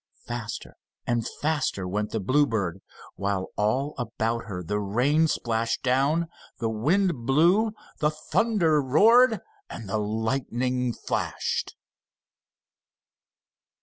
Faster and faster went the Bluebird, while all about her the rain splashed down, the wind blew, the thunder roared, and the lightning flashed.